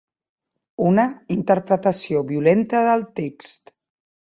Una interpretació violenta del text.